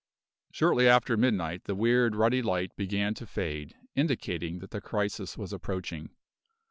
Shortly after midnight the weird, ruddy light began to fade, indicating that the crisis was approaching.